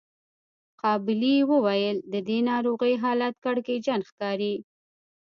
قابلې وويل د دې ناروغې حالت کړکېچن ښکاري.